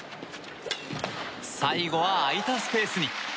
最後は、空いたスペースに。